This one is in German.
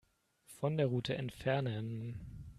Von der Route entfernen.